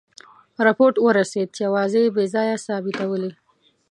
رپوټ ورسېد چې آوازې بې ځایه ثابتولې.